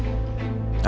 cuman orang bodohnya